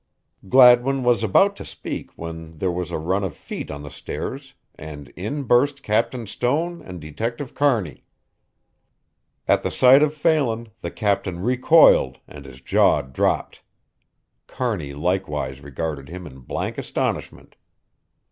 Gladwin was about to speak when there was a run of feet on the stairs and in burst Captain Stone and Detective Kearney. At the sight of Phelan, the captain recoiled and his jaw dropped. Kearney likewise regarded him in blank astonishment.